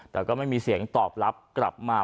แต่ก็ไม่มีเสียงตอบรับกลับมา